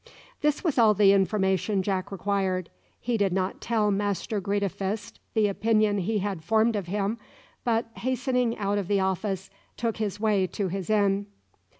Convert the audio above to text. This was all the information Jack required. He did not tell Master Greedifist the opinion he had formed of him, but, hastening out of the office, took his way to his inn.